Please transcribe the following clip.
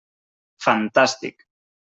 Fantàstic!